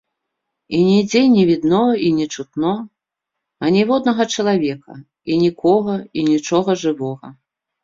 І нідзе не відно і не чутно аніводнага чалавека і нікога і нічога жывога.